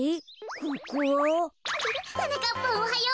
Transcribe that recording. ここは？はなかっぱおはよう。